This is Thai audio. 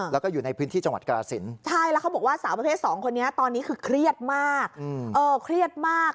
แล้วก็อยู่ในพื้นที่จังหวัดกราศิลป์ใช่แล้วเขาบอกว่าสาวประเภทสองคนนี้ตอนนี้คือเครียดมากเครียดมาก